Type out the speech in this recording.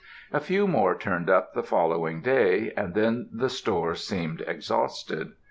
A few more turned up the following day, and then the store seemed exhausted.